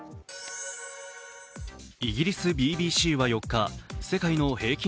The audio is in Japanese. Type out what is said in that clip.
イギリスＢＢＣは４日世界の平均